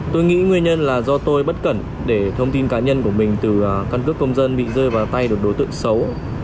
tôi nghĩ nguyên nhân là do tôi bất cẩn để thông tin cá nhân của mình từ căn cước công dân bị rơi vào tay được đối tượng xấu